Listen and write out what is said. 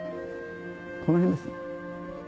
この辺ですね。